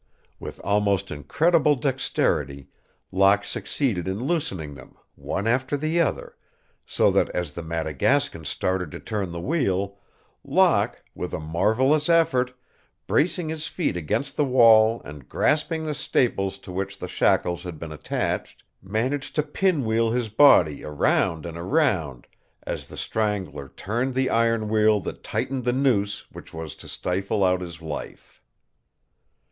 With almost incredible dexterity Locke succeeded in loosening them, one after the other, so that, as the Madagascan started to turn the wheel, Locke, with a marvelous effort, bracing his feet against the wall and grasping the staples to which the shackles had been attached, managed to pin wheel his body around and around, as the Strangler turned the iron wheel that tightened the noose which was to stifle out his life.